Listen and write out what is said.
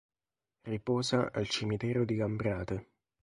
Riposa al Cimitero di Lambrate.